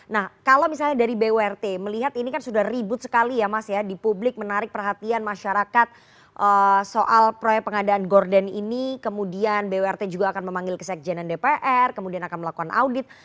nah kalau misalnya dari bwrt melihat ini kan sudah ribut sekali ya mas ya di publik menarik perhatian masyarakat soal proyek pengadaan gordon ini kemudian bwrt juga akan memanggil kesekjenan dpr kemudian akan melakukan audit